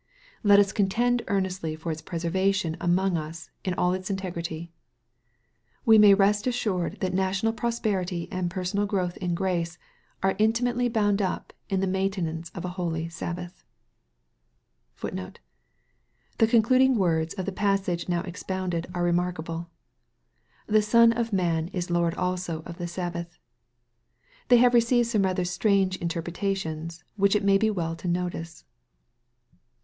Let us contend earnestly for its preservation among us in all its integrity. We may rest assured that national prosperity and personal growth in grace, are intimately bound up in the maintenance of a holy Sab bath.* * The concluding words of the passage now expounded are re markable. " The Son of man is Lord also of the Sabbath." They have received some rather strange interpretations, which it may be well to notice.